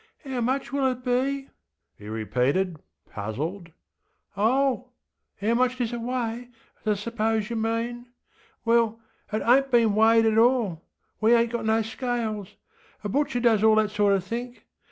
ŌĆśHow much will it be, ŌĆÖ he repeated, puzzled. ŌĆśOhŌĆöhow much does it weigh I sŌĆÖpose yer mean. Well, it ainŌĆÖt been weighed at allŌĆöwe ainŌĆÖt got no scales. A butcher does all that sort of think.